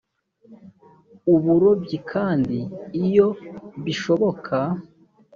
uburobyi kandi iyo bishoboka